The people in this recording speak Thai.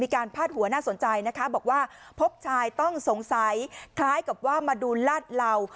พาดหัวน่าสนใจนะคะบอกว่าพบชายต้องสงสัยคล้ายกับว่ามาดูลาดเหล่า